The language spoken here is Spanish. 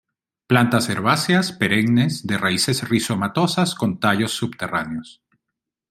Plantas herbáceas, perennes, de raíces rizomatosas con tallos subterráneos.